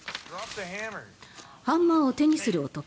ハンマーを手にする男。